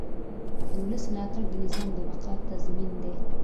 د ولس ملاتړ د نظام د بقا تضمین دی